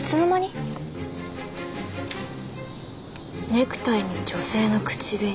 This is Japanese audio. ネクタイに女性の口紅。